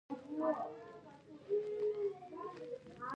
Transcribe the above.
د کار عیبونه یې را په ګوته کړل.